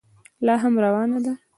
لا هم روانه ده.